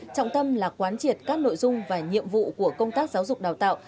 trọng tâm là quán triệt các nội dung và nhiệm vụ của công tác giáo dục đào tạo